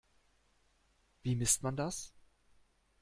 Wie misst man das?